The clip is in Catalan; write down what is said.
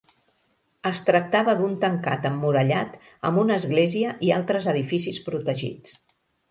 Es tractava d'un tancat emmurallat amb una església i altres edificis protegits.